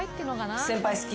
「先輩好き」？